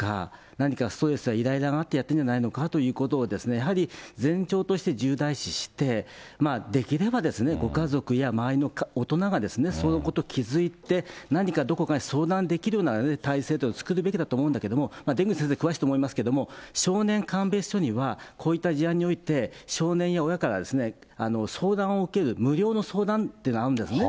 何かストレスやいらいらがあってやってるんじゃないかということをやはり、前兆として重大視して、できればですね、ご家族や周りの大人が、そういうことを気付いて、何かどこかに相談できるような体制というのを作るべきだと思うんだけれども、出口先生、詳しいと思いますけれども、少年鑑別所には、こういった事案において、少年や親から相談を受ける無料の相談っていうのがあるんですね。